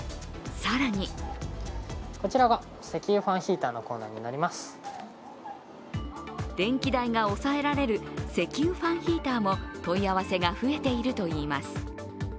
更に電気代が抑えられる石油ファンヒーターも問い合わせが増えているといいます。